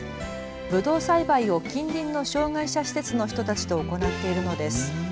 ぶどう栽培を近隣の障害者施設の人たちと行っているのです。